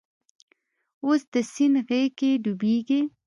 اوس د سیند غیږ کې ډوبیږې